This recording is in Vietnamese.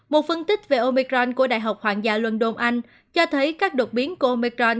các thuyết về omicron của đại học hoàng gia london anh cho thấy các đột biến của omicron